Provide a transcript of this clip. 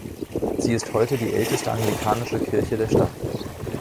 Sie ist heute die älteste anglikanische Kirche der Stadt.